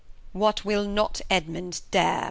What will not Edmund dare!